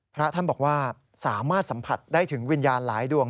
พระท่านบอกว่าสามารถสัมผัสได้ถึงวิญญาณหลายดวง